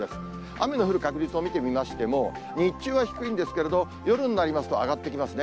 雨の降る確率を見てみましても、日中は低いんですけれど、夜になりますと上がってきますね。